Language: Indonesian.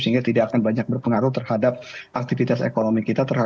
sehingga tidak akan banyak berpengaruh terhadap aktivitas ekonomi kita